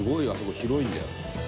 広いんだよ。